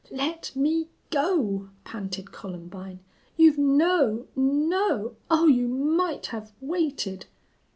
"Let me go!" panted Columbine. "You've no no Oh, you might have waited."